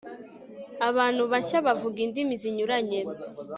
abantu bashya bavuga indimi zinyuranye